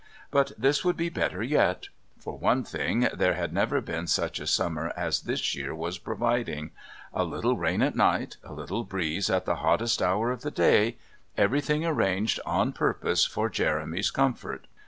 But this would be better yet. For one thing, there had never been such a summer as this year was providing a little rain at night, a little breeze at the hottest hour of the day everything arranged on purpose for Jeremy's comfort.